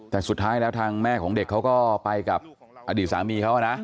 แต่สุดท้ายแล้วทางแม่ของเด็กเขาก็ไปกับอดีตสามีเขานะ